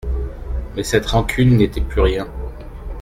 Mais cette rancune n'était plus rien.